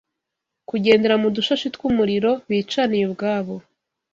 kugendera mu dushashi tw’umuriro bicaniye ubwabo.